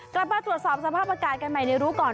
กลับมาตรวจสอบสภาพอากาศกันใหม่ในรู้ก่อน